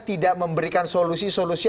tidak memberikan solusi solusi